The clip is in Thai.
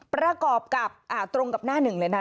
ประกอบกับตรงกับหน้าหนึ่งเลยนะ